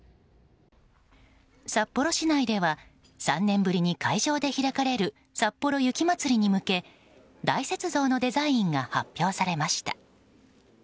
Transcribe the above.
札幌市内では３年ぶりに会場で開かれる札幌雪まつりに向け大雪像のデザインが発表されました。